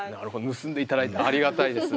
盗んで頂いてありがたいです。